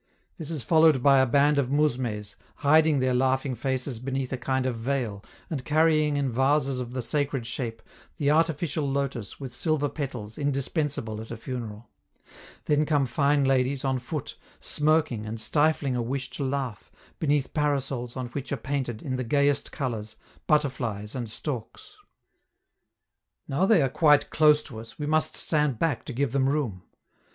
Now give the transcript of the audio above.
This is followed by a band of mousmes, hiding their laughing faces beneath a kind of veil, and carrying in vases of the sacred shape the artificial lotus with silver petals indispensable at a funeral; then come fine ladies, on foot, smirking and stifling a wish to laugh, beneath parasols on which are painted, in the gayest colors, butterflies and storks. Now they are quite close to us, we must stand back to give them room.